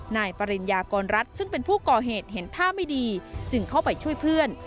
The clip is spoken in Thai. นายปริญญากรรัฐซึ่งเป็นผู้ก่อเหตุเห็นท่าไม่ดีจึงเข้าไปช่วยเพื่อน